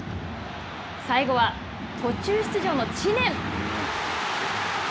最後は途中出場の知念。